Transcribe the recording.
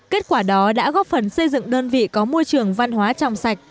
kết quả đó đã góp phần xây dựng đơn vị có môi trường văn hóa trong sạch